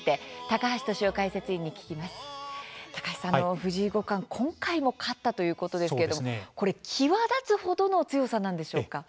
高橋さん、藤井五冠、今回も勝ったということですけれども際立つ程の強さなんでしょうか。